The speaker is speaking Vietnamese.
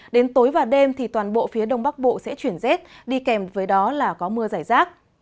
đến tối và đêm thì toàn bộ phía đông bắc bộ sẽ chuyển rét đi kèm với đó là có mưa giải rác